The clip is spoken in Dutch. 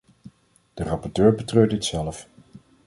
De rapporteur betreurt dit zelf.